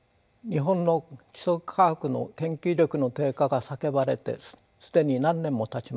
日本の基礎科学の研究力の低下が叫ばれて既に何年もたちました。